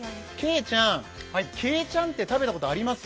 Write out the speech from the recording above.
けいちゃんって食べたことあります？